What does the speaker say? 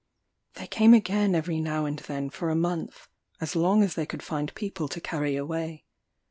They came again every now and then for a month, as long as they could find people to carry away.